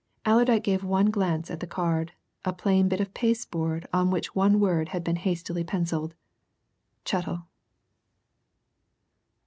Allerdyke gave one glance at the card a plain bit of pasteboard on which one word had been hastily pencilled CHETTLE.